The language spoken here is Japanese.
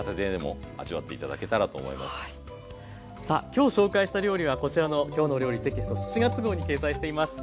今日紹介した料理はこちらの「きょうの料理」テキスト７月号に掲載しています。